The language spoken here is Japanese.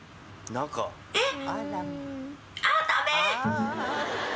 えっ！